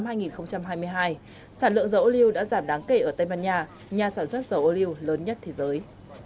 sản lượng dầu ô liu đã giảm đáng kể ở tây ban nha nhà sản xuất dầu ô liu lớn nhất thế giới